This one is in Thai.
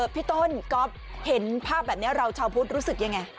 พี่ต้นก๊อฟเห็นภาพแบบนี้เราชาวพุทธรู้สึกยังไง